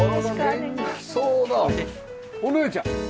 お姉ちゃん？